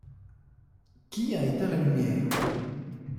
Qui a éteint la lumière ?